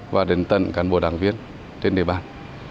và đến tận cán bộ đảng viên trên địa bàn